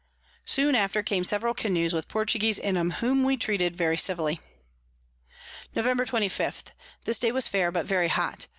Soon after came several Canoes with Portuguese in 'em, whom we treated very civilly. Nov. 25. This Day was fair, but very hot.